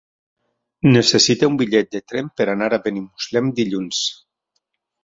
Necessito un bitllet de tren per anar a Benimuslem dilluns.